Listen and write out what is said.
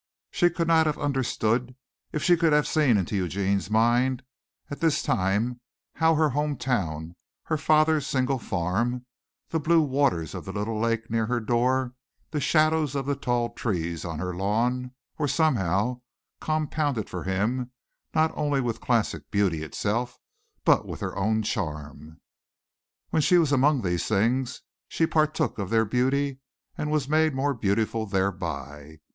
She could not have understood if she could have seen into Eugene's mind at this time how her home town, her father's single farm, the blue waters of the little lake near her door, the shadows of the tall trees on her lawn were somehow, compounded for him not only with classic beauty itself, but with her own charm. When she was among these things she partook of their beauty and was made more beautiful thereby.